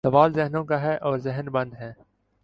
سوال ذہنوں کا ہے اور ذہن بند ہیں۔